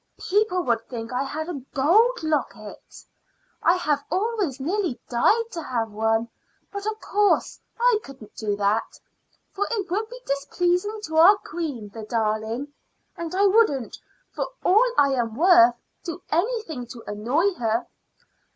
People would think I had a gold locket. I have always nearly died to have one; but of course I couldn't do that, for it would displease our queen, the darling, and I wouldn't for all I am worth do anything to annoy her.